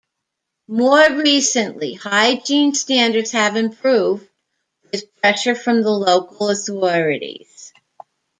More recently, hygiene standards have improved, with pressure from the local authorities.